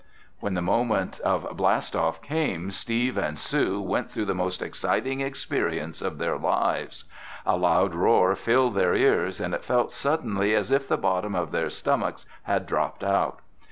When the moment of blast off came, Steve and Sue went through the most exciting experience of their lives. A loud roar filled their ears and it felt suddenly as if the bottom of their stomachs had dropped out.